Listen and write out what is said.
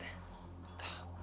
dari tadi tuh kek